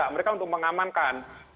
mereka untuk mengamankan